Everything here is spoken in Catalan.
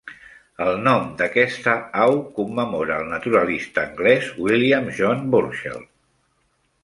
El nom d'aquesta au commemora el naturalista anglès William John Burchell.